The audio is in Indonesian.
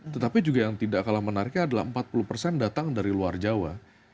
tetapi juga yang tidak kalah menariknya adalah empat puluh persen datang dari luar jawa